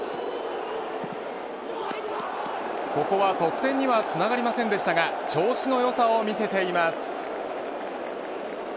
ここは得点にはつながりませんでしたが調子の良さを見せています。